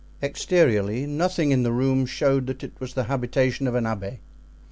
Exteriorly, nothing in the room showed that it was the habitation of an abbé.